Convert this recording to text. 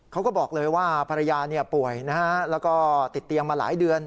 เขาก็บอกเลยว่าภรรยาป่วยนะฮะแล้วก็ติดเตียงมาหลายเดือน